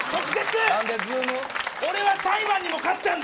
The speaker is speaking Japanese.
俺は裁判にも勝ったんだ。